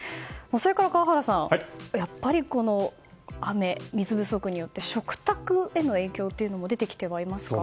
それから川原さん雨、水不足によって食卓の影響も出てきてはいますか。